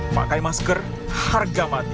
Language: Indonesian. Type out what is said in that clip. pakai masker harga mati